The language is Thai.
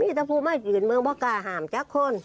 มีแต่ผู้ไม่หยุ่นเมืองเพราะกล้าหามจากคน